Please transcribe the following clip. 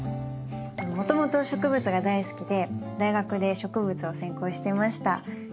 もともと植物が大好きで大学で植物を専攻してました。